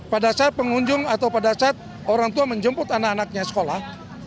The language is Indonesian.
pada saat pengunjung atau pada saat orang tua menjemput anak anaknya sekolah